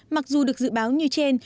mặc dù được dự báo như trên